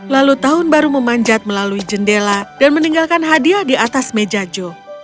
lalu tahun baru memanjat melalui jendela dan meninggalkan hadiah di atas meja joe